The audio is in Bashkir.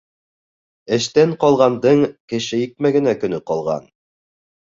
Эштән ҡалғандың кеше икмәгенә көнө ҡалған.